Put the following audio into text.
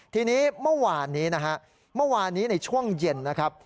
ทีนี้เมื่อวานนี้นะฮะเมื่อวานนี้ในช่วงเย็นนะครับ